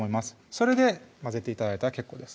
それで混ぜて頂いたら結構です